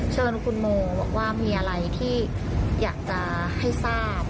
เชิญคุณโมบอกว่ามีอะไรที่อยากจะให้ทราบ